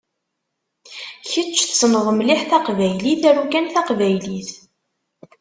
Kečč tessneḍ mliḥ taqbaylit aru kan taqbaylit.